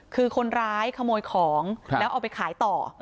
คือคนร้ายขโมยของแล้วเอาไปขายต่อ